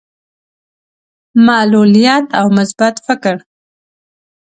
معلوليت او مثبت فکر.